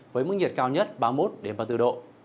với mức nhiệt cao nhất ba mươi một ba mươi bốn độ